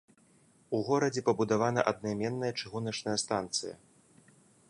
У горадзе пабудавана аднайменная чыгуначная станцыя.